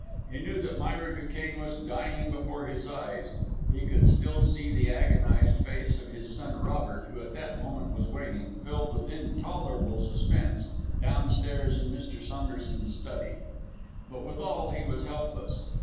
He knew that Myra Duquesne was dying before his eyes; he could still see the agonised face of his son, Robert, who at that moment was waiting, filled with intolerable suspense, downstairs in Mr. Saunderson's study; but, withal, he was helpless.